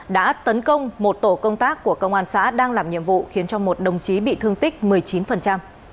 đã tấn công một tổ công tác của công an xã đang làm nhiệm vụ khiến cho một đồng chí bị thương tích một mươi chín